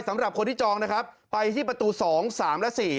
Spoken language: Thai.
สำหรับคนที่จองนะครับไปที่ประตู๒๓และ๔